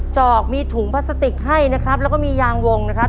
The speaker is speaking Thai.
จอกมีถุงพลาสติกให้นะครับแล้วก็มียางวงนะครับ